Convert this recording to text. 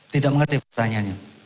tidak mengerti pertanyaannya